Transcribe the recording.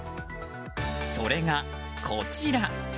それがこちら！